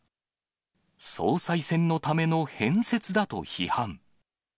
総裁選のための変説だと批判。